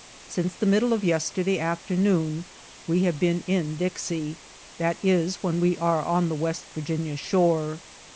Since the middle of yesterday afternoon we have been in Dixie, that is, when we are on the West Virginia shore.